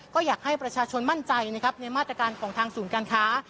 ก็อยากให้ประชาชนมั่นใจนะครับในมาตรการของทางศูนย์การค้า